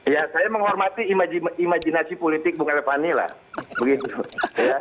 ya saya menghormati imajinasi politik bunga depan nih lah